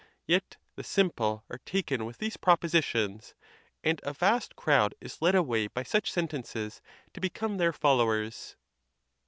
Yet the simple are taken with these propositions, and a vast crowd is led away by such sentences to become their fol lowers.